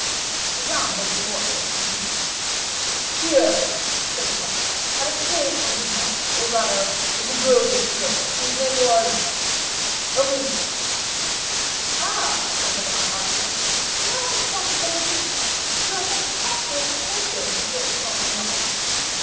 Madame begged the orator to continue. "Tyrcis," said the comte, "had a faithful companion, or rather a devoted servant, whose name was Amyntas." "Ah!" said Madame, archly, "now for the portrait of Amyntas; you are such an excellent painter, Monsieur de Saint Aignan."